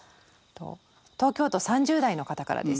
東京都３０代の方からです。